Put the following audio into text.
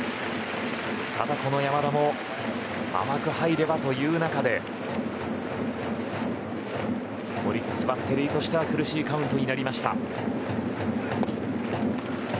ただ、この山田も甘く入ればという中でオリックスバッテリーは苦しいカウント。